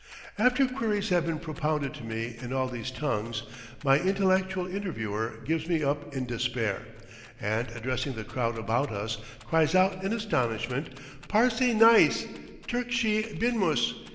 After queries have been propounded to me in all these tongues, my intellectual interviewer gives me up in despair, and, addressing the crowd about us, cries out in astonishment: "Parsee neis! Turkchi binmus!